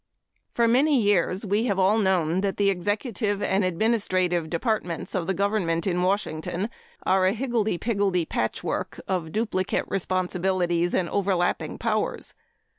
For many years we have all known that the Executive and Administrative departments of the government in Washington are a higgledy piggledy patchwork of duplicate responsibilities and overlapping powers.